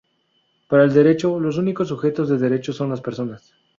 Para el derecho, los únicos sujetos de derecho son las personas.